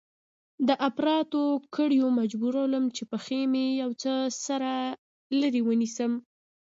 د اپراتو کړيو مجبورولم چې پښې مې يو څه سره لرې ونيسم.